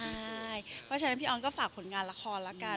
เพราะฉะนั้นพี่ออนก็ฝากผลงานละครแล้วกัน